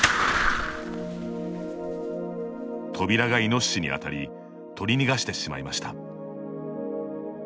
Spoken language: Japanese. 扉がイノシシに当たり捕り逃がしてしまいました。